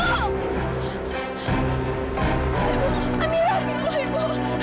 ibu amir amir ibu